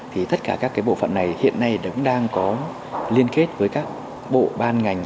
thì tất cả các bộ phận này hiện nay cũng đang có liên kết với các bộ ban ngành